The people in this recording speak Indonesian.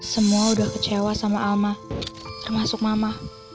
semua udah kecewa sama alma termasuk mama